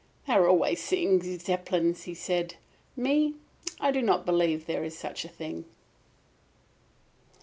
"They are always seeing Zeppelins," he said. "Me, I do not believe there is such a thing!"